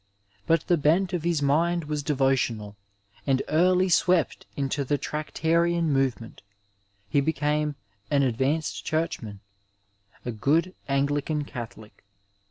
But the bent of his mind was devotional, and early swept into the Trac tarian movement, he became an advanced Churchman, a good Anglican Catholic.